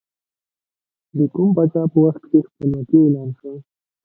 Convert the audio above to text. د کوم پاچا په وخت کې خپلواکي اعلان شوه؟